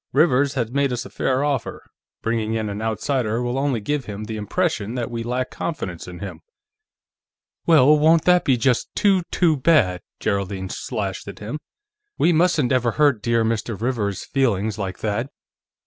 "Rivers has made us a fair offer. Bringing in an outsider will only give him the impression that we lack confidence in him." "Well, won't that be just too, too bad!" Geraldine slashed at him. "We mustn't ever hurt dear Mr. Rivers's feelings like that.